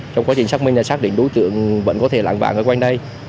trong quá trình xác minh và xác định đối tượng vẫn có thể lạng vạn ở quanh đây